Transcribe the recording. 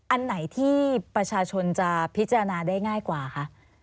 อันไหนที่ประชาชนจะพิจารณาได้ง่ายกว่าคะ